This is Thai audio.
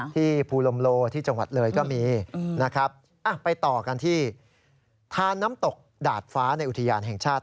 ที่ภูลมโลที่จังหวัดเลยก็มีนะครับไปต่อกันที่ทานน้ำตกดาดฟ้าในอุทยานแห่งชาติ